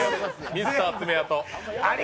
ミスター爪痕。